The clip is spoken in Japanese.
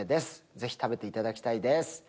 ぜひ食べていただきたいです。